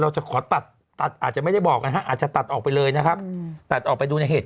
เราจะขอตัดอาจจะไม่ได้บอกอาจจะตัดออกไปเลยนะครับแต่ต้องไปดูในเหตุ